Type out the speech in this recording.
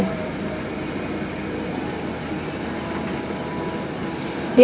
kamu juga bisa